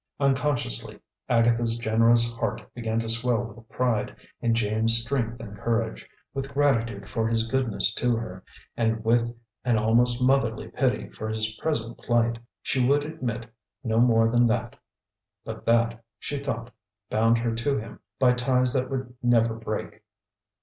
Unconsciously, Agatha's generous heart began to swell with pride in James's strength and courage, with gratitude for his goodness to her, and with an almost motherly pity for his present plight. She would admit no more than that; but that, she thought, bound her to him by ties that would never break.